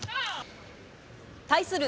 対する